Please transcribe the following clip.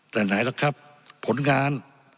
แต่ไหนล่ะครับผลงาน